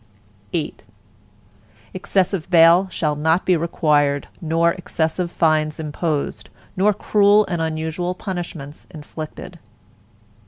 VIII Excessive bail shall not be required nor excessive fines imposed, nor cruel and unusual punishments inflicted.